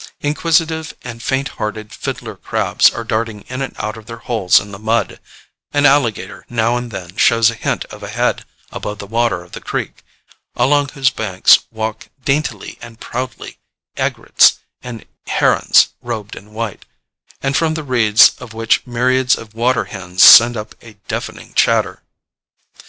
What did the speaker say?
Inquisitive and faint hearted fiddler crabs are darting in and out of their holes in the mud: an alligator now and then shows a hint of a head above the water of the creek, along whose banks walk daintily and proudly egrets and herons robed in white, and from the reeds of which myriads of water hens send up a deafening chatter.